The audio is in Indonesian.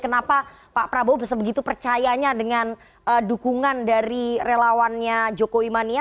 kenapa pak prabowo sebegitu percayanya dengan dukungan dari relawannya jokowi mania